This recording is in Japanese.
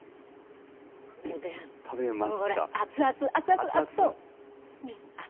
熱々、熱そう。